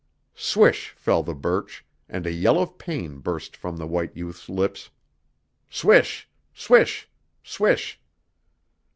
Swish! fell the birch, and a yell of pain burst from the white youth's lips. Swish! Swish! Swish!